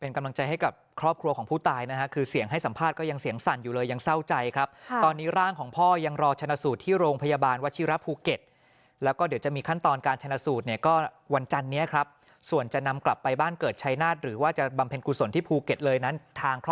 กำลังใจให้กับครอบครัวของผู้ตายนะฮะคือเสียงให้สัมภาษณ์ก็ยังเสียงสั่นอยู่เลยยังเศร้าใจครับตอนนี้ร่างของพ่อยังรอชนะสูตรที่โรงพยาบาลวชิระภูเก็ตแล้วก็เดี๋ยวจะมีขั้นตอนการชนะสูตรเนี่ยก็วันจันนี้ครับส่วนจะนำกลับไปบ้านเกิดชัยนาฏหรือว่าจะบำเพ็ญกุศลที่ภูเก็ตเลยนั้นทางค